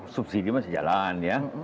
subsidi masih jalan